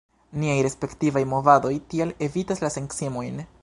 Niaj respektivaj movadoj tial evitas la sekciemojn.